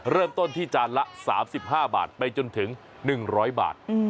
เริ่มต้นที่จานละ๓๕บาทไปจนถึง๑๐๐บาท